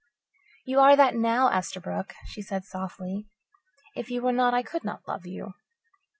"You are that now, Esterbrook," she said softly. "If you were not, I could not love you."